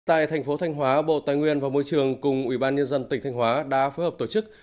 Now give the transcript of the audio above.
tại thành phố thanh hóa bộ tài nguyên và môi trường cùng ủy ban nhân dân tỉnh thanh hóa đã phối hợp tổ chức